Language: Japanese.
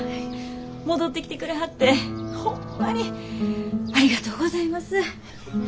戻ってきてくれはってホンマにありがとうございます。